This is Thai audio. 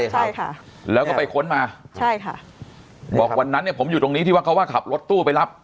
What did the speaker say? ใช่ค่ะแล้วก็ไปค้นมาใช่ค่ะบอกวันนั้นเนี่ยผมอยู่ตรงนี้ที่ว่าเขาว่าขับรถตู้ไปรับ